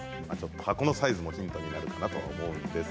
箱のサイズもヒントになると思います。